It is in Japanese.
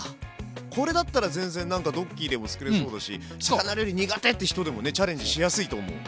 これだったら全然何かドッキーでもつくれそうだし魚料理苦手って人でもねチャレンジしやすいと思う。